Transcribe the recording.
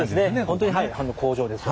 本当に工場です。